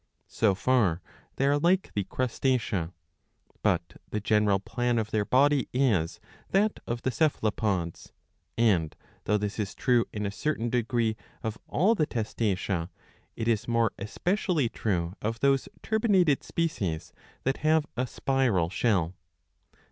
So far they are like the Crustacea. But the general plan of their body is that of the Cephalopods ; and, though this is true in a certain degree of all the Testacea, it is more especially true of those turbinated species, that have a spiral shell.